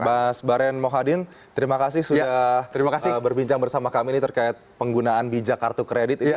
mas baren mohadin terima kasih sudah berbincang bersama kami ini terkait penggunaan bijak kartu kredit